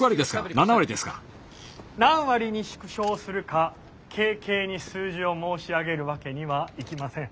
何割に縮小するか軽々に数字を申し上げるわけにはいきません。